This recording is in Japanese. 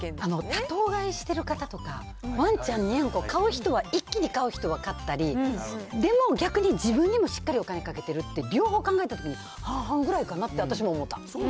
多頭飼いしてる方とか、ワンちゃん、猫ちゃん、飼う人は一気に飼う人は飼ったり、でも逆に自分にもしっかりお金かけてるって、両方考えたときに、半々ぐらいかなって私は思った。